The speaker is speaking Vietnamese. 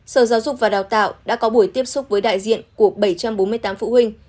sở giáo dục và đào tạo đã có buổi tiếp xúc với đại diện của bảy trăm bốn mươi tám phụ huynh